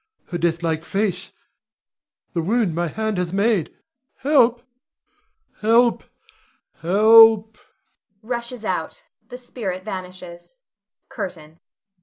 her deathlike face, the wound my hand hath made! Help! help! help! [Rushes out. The spirit vanishes. CURTAIN.